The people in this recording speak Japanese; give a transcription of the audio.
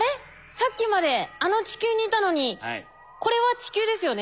さっきまであの地球にいたのにこれは地球ですよね